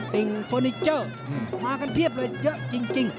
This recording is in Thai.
ติ่งเฟอร์นิเจอร์มากันเพียบเลยเยอะจริง